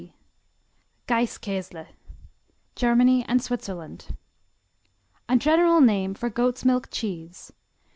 G Gaiskäsli Germany and Switzerland A general name for goat's milk cheese.